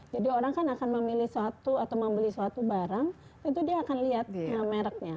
jadi orang kan akan memilih suatu atau membeli suatu barang itu dia akan lihat mereknya